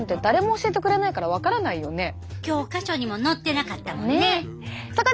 教科書にも載ってなかったもんね。